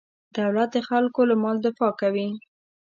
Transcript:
دولت د خلکو له مال دفاع کوي.